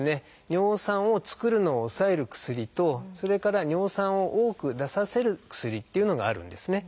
尿酸を作るのを抑える薬とそれから尿酸を多く出させる薬というのがあるんですね。